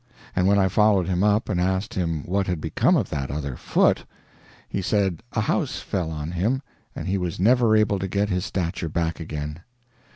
And when I followed him up and asked him what had become of that other foot, he said a house fell on him and he was never able to get his stature back again.